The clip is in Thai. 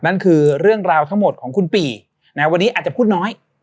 นั่นคือเรื่องราวทั้งหมดของคุณปี่วันนี้อาจจะพูดน้อย